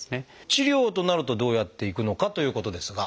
治療となるとどうやっていくのかということですが。